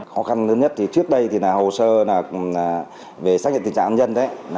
khó khăn lớn nhất trước đây là hồ sơ về xác nhận tình trạng nhân